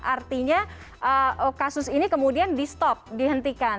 artinya kasus ini kemudian di stop dihentikan